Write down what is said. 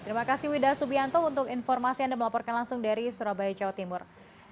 terima kasih wida subianto untuk informasi anda melaporkan langsung dari surabaya jawa timur